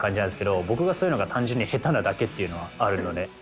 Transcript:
僕がそういうのが単純に下手なだけっていうのはあるので。